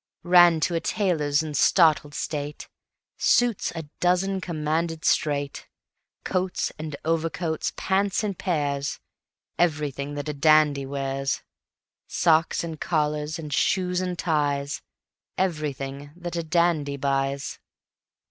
Ran to a tailor's in startled state, Suits a dozen commanded straight; Coats and overcoats, pants in pairs, Everything that a dandy wears; Socks and collars, and shoes and ties, Everything that a dandy buys.